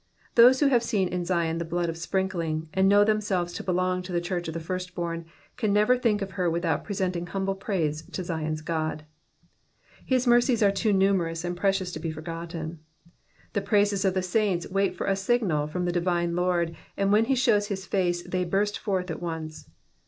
Those who have seen in Zion the blood of sprinkling, and know themselves to belong to the church of the firstborn, can never think of her without presenting humble praise to Zioii^s God ; his merries are too numerous and precious to be forgotten. The praises of the saints wait for a signal from the divine Lord, and when he shows his face they burst forth at once.